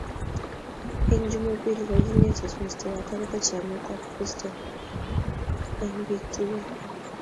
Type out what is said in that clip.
Eng jumambili kokinetech mestowot akobo chamnyet ab kristo eng biik tukul